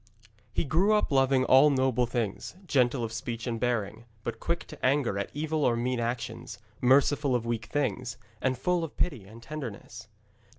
He grew up loving all noble things, gentle of speech and bearing, but quick to anger at evil or mean actions, merciful of weak things, and full of pity and tenderness.